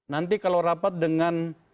nanti kalau rapat dengan